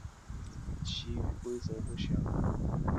这些可以被认为是早期的宇宙论。